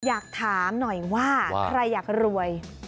อยากถามหน่อยว่าใครอยากรวย